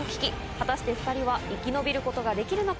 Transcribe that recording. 果たして２人は生き延びることができるのか？